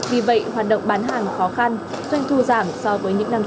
vì vậy hoạt động bán hàng khó khăn doanh thu giảm so với những năm trước